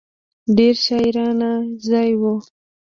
ډېر شاعرانه ځای و.